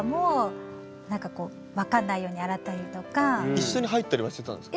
一緒に入ったりはしてたんですか？